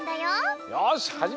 よしはじめよう！